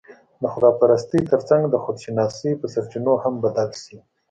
د خدا پرستۍ تر څنګ، د خودشناسۍ په سرچينو هم بدل شي